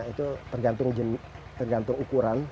itu tergantung jenis tergantung ukuran